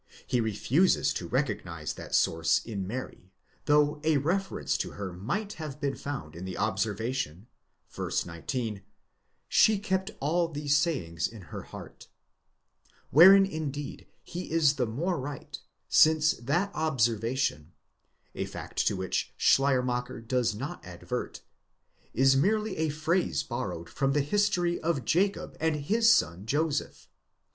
He refuses to recognize that source in Mary, though a reference to her might have been found in the observation, v. 19, she kept all these sayings in her heart; wherein indeed he is the more right, since that observation (a fact to which Schleiermacher does not advert) is merely a phrase borrowed from the history of Jacob and his son Joseph.